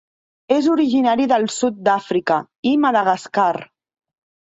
És originari del sud d'Àfrica i Madagascar.